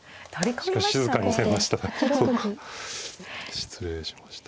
失礼しました。